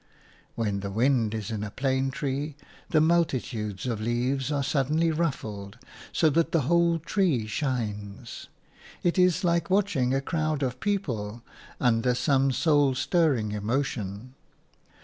When the wind is in a plane tree, the multitudes of leaves are suddenly ruffled, so that the whole tree shines; it is like watching a crowd of people under some soul stirring emotion.